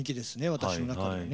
私の中ではね。